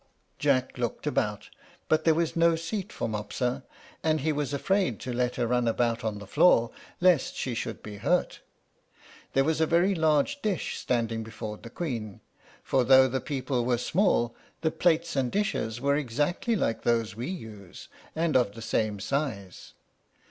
Jack looked about, but there was no seat for Mopsa; and he was afraid to let her run about on the floor, lest she should be hurt. There was a very large dish standing before the Queen; for though the people were small, the plates and dishes were exactly like those we use, and of the same size.